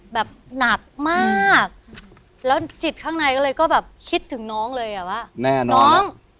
แบบหนักมากแล้วจิตข้างในก็เลยก็แบบคิดถึงน้องเลยอ่ะว่าแน่นอนน้อง